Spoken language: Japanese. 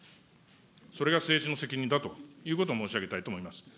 それが政治の責任だということを申し上げたいと思います。